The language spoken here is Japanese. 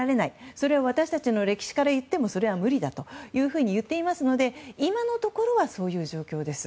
それは私たちの歴史からいっても無理だと言っていますので今のところはそういう状況です。